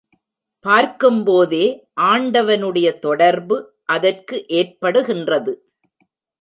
பார்க்கும்போதே ஆண்டவனுடைய தொடர்பு அதற்கு ஏற்படுகின்றது.